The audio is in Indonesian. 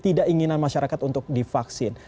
atau ketidak inginan masyarakat untuk divaksin